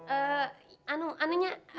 eh anu anunya